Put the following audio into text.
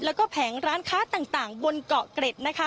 และแผงร้านค้าต่างบนเกาะเกร็ด